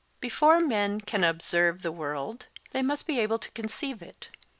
Before men can observe the world, they must be able to conceive it.